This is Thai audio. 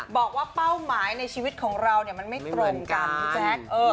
บอกว่าเป้าหมายในชีวิตของเราเนี่ยมันไม่ตรงกัน